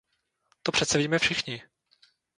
To přece víme všichni.